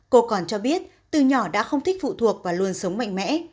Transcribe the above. cô còn cho biết từ nhỏ đã không thích phụ thuộc và luôn sống mạnh mẽ